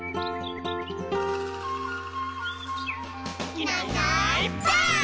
「いないいないばあっ！」